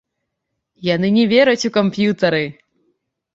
Яны не вераць у камп'ютары!